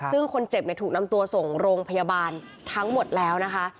ซึ่งคนเจ็บถูกนำตัวส่งโรงพยาบาลทั้งหมดแล้วนะคะ